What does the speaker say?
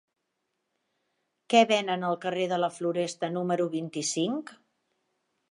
Què venen al carrer de la Floresta número vint-i-cinc?